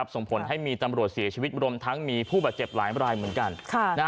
ส่งผลให้มีตำรวจเสียชีวิตรวมทั้งมีผู้บาดเจ็บหลายรายเหมือนกัน